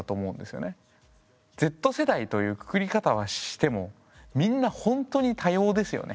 Ｚ世代というくくり方はしてもみんなほんとに多様ですよね。